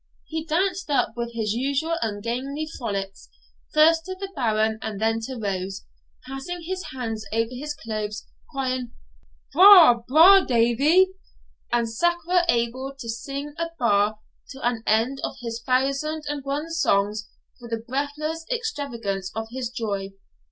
He danced up with his usual ungainly frolics, first to the Baron and then to Rose, passing his hands over his clothes, crying, 'Bra', bra' Davie,' and scarce able to sing a bar to an end of his thousand and one songs for the breathless extravagance of his joy.